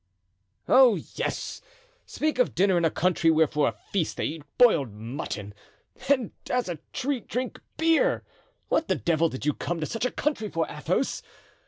"Oh! yes, speak of dinner in a country where for a feast they eat boiled mutton, and as a treat drink beer. What the devil did you come to such a country for, Athos?